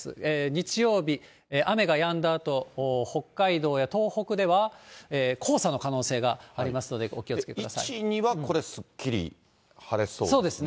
日曜日、雨がやんだあと、北海道や東北では黄砂の可能性がありますので、お気をつけくださ１、２はこれ、そうですね。